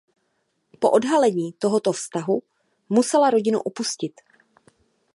Po odhalení tohoto vztahu musela rodinu opustit.